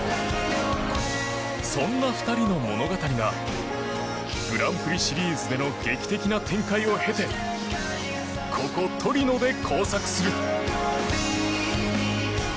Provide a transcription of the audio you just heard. そんな２人の物語がグランプリシリーズでの劇的な展開を経てここ、トリノで交錯する。